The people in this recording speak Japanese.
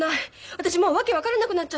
私もう訳分からなくなっちゃって。